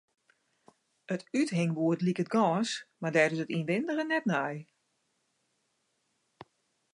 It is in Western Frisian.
It úthingboerd liket gâns, mar dêr is 't ynwindige net nei.